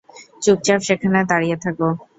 চুপচাপ সেখানে দাড়িয়ে থাকো।